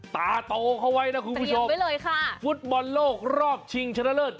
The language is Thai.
ตาโตเข้าไว้นะคุณผู้ชมฟุตบอลโลกรอบชิงชัดเล็ท